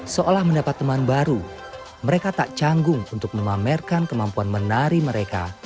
seolah mendapat teman baru mereka tak canggung untuk memamerkan kemampuan menari mereka